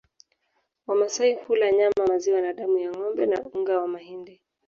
Wamasai hula nyama maziwa na damu ya ngombe na unga wa mahindi